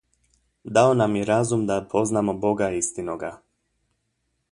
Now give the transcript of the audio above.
Dao nam je razum da poznamo Boga istinoga.